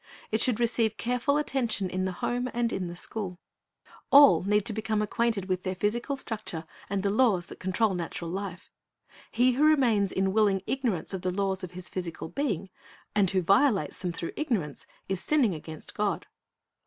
It should receive careful attention in the home and in the school. All need to become acquainted with their physical structure and the laws that control natural life. He who remains in willing ignorance of the laws of his physical being, and who violates them through ignorance, is sinning against God.